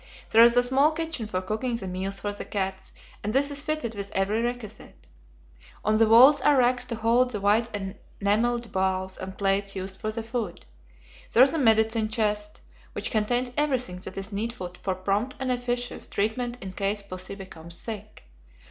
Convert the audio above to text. There is a small kitchen for cooking the meals for the cats, and this is fitted with every requisite. On the walls are racks to hold the white enamelled bowls and plates used for the food. There is a medicine chest, which contains everything that is needful for prompt and efficacious treatment in case pussy becomes sick.